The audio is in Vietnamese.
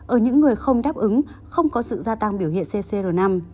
ở những người không đáp ứng không có sự gia tăng biểu hiện ccr năm